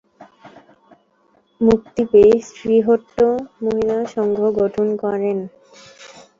মুক্তি পেয়ে শ্রীহট্ট মহিলা সংঘ গঠন করেন।